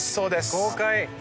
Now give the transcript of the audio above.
豪快！